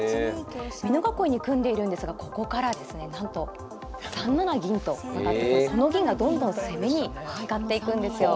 美濃囲いに組んでいるんですがここからですねなんと３七銀と上がってその銀がどんどん攻めに使っていくんですよ。